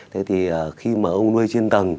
thế thì khi mà ông nuôi trên tầng